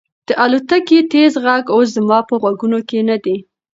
د الوتکې تېز غږ اوس زما په غوږونو کې نه دی.